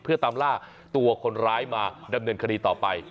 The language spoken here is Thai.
เพื่อตามล่าตัวคนร้ายมาดำเนินคดีต่อไป